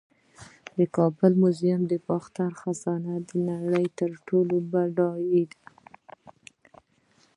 د کابل میوزیم د باختر خزانه د نړۍ تر ټولو بډایه وه